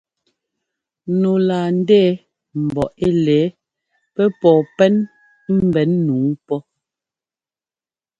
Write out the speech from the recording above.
Nu laa ndɛɛ̀̀ mbɔ ɛ́ lɛ̌ɛ pɛ́ pɔɔ pɛn ḿbɛn nǔu pɔ́ !